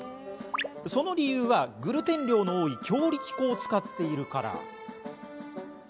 その理由は、グルテン量の多い強力粉を使っているから。